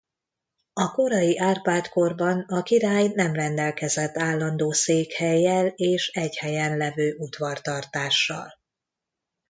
A korai Árpád-korban a király nem rendelkezett állandó székhellyel és egy helyen levő udvartartással.